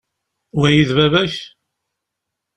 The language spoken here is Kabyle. Wagi, d baba-k?